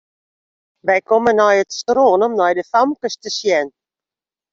Wy komme nei it strân om nei de famkes te sjen.